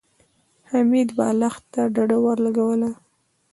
حميد بالښت ته ډډه ولګوله.